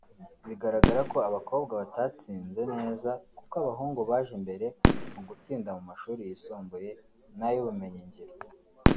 Bigaragara ko abakobwa batatsinze neza kuko abahungu baje imbere mu gutsinda mu mashuri yisumbuye n’ay’ubumenyingiro